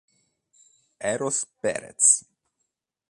Eros Pérez